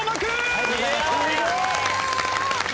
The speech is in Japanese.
ありがとうございます！